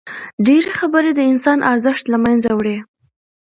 ډېري خبري د انسان ارزښت له منځه وړي.